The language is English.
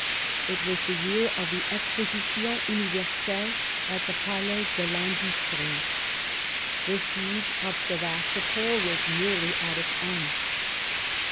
It was the year of the Exposition Uni verselle at the Palais de l' Industrie ; the siege of Sevastopol was nearly at its end.